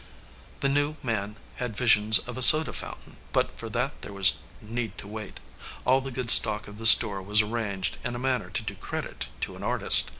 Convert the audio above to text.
The new man had visions of a soda foun tain, but for that there was need to wait. All the good stock of the store was arranged in a manner to do credit to an artist.